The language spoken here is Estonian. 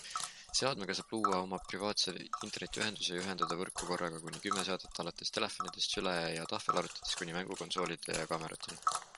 Seadmega saab luua oma privaatse internetiühenduse ja ühendada võrku korraga kuni kümme seadet alates telefonidest, süle- ja tahvelarvutitest kuni mängukonsoolide ja kaamerateni.